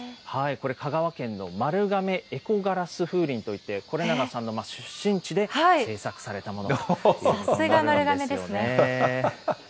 これ、香川県の丸亀エコガラス風鈴といって、是永さんの出身地で制作されたものです。